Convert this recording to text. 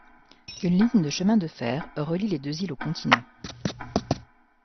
Une ligne de chemin de fer relie les deux îles au continent.